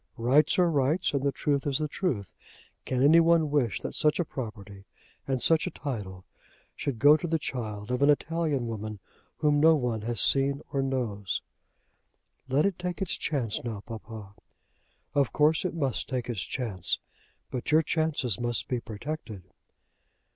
"Rights are rights, and the truth is the truth. Can any one wish that such a property and such a title should go to the child of an Italian woman whom no one has seen or knows?" "Let it take its chance now, papa." "Of course it must take its chance; but your chances must be protected."